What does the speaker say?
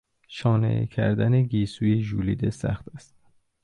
شانه کردن گیسوی ژولیده سخت است.